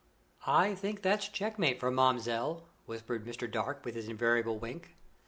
"I think that's checkmate for marmzelle," whispered Mr. Dark, with his invariable wink.